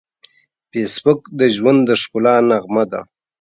فېسبوک د ژوند د ښکلا نغمه ده